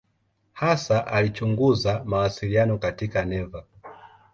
Hasa alichunguza mawasiliano katika neva.